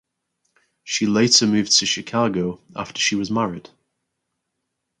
She later moved to Chicago after she was married.